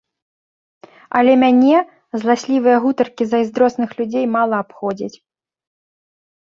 Але мяне зласлівыя гутаркі зайздросных людзей мала абходзяць.